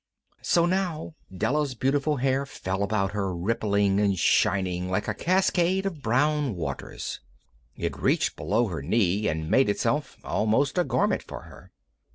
So now Della's beautiful hair fell about her rippling and shining like a cascade of brown waters. It reached below her knee and made itself almost a garment for her.